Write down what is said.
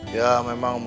ya memang mustahil